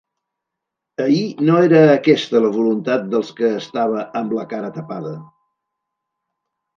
Ahir no era aquesta la voluntat dels que estava amb la cara tapada.